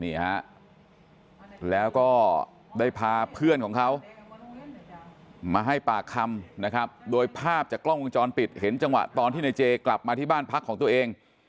ฮะแล้วก็ได้พาเพื่อนของเขามาให้ปากคำนะครับโดยภาพจากกล้องวงจรปิดเห็นจังหวะตอนที่ในเจกลับมาที่บ้านพักของตัวเอง